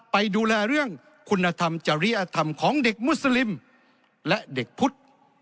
ไปดูแลเรื่องคุณธรรมจริยธรรมของเด็กมุสลิมและเด็กพุทธ